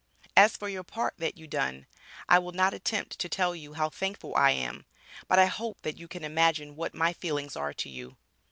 As for your part that you done I will not attempt to tell you how thankful I am, but I hope that you can imagine what my feelings are to you.